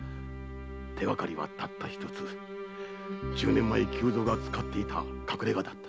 手がかりはたった一つ十年前久蔵が使っていた隠れ家だった。